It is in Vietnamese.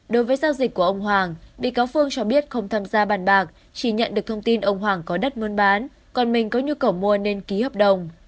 đối với giao dịch của ông hoàng bị cáo phương cho biết không tham gia bàn bạc chỉ nhận được thông tin ông hoàng có đất muôn bán còn mình có nhu cầu mua nên ký hợp đồng